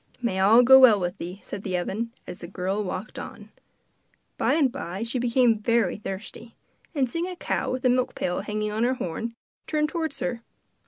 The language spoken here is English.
'May all go well with thee,' said the oven, as the girl walked on. By and by she became very thirsty, and seeing a cow with a milk pail hanging on her horn, turned towards her.